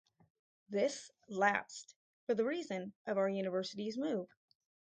This lapsed for the reason of our university's move.